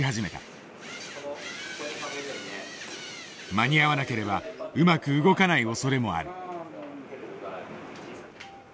間に合わなければうまく動かないおそれもある。